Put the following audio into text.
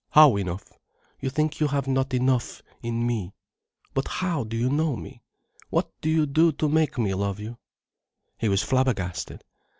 "How enough?" "You think you have not enough in me. But how do you know me? What do you do to make me love you?" He was flabbergasted.